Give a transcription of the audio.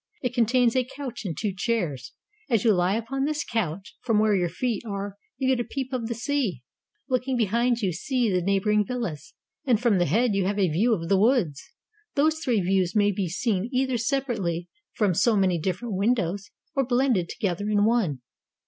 It contains a couch and two chairs: as you lie upon this couch, from where your feet are you get a peep of the sea; looking behind you see the neighboring villas, and from the head you have a view of the woods: these three views may be seen either separately, from so many different windows, or blended together in one.